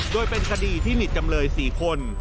โดยเป็นคดีที่นิจจำเลยสี่คน